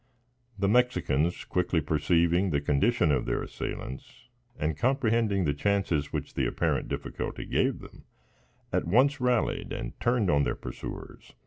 The Mexicans, quickly perceiving the condition of their assailants, and comprehending the chances, which the apparent difficulty gave them, at once rallied and turned on their pursuers.